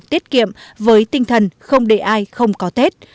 tiết kiệm với tinh thần không để ai không có tết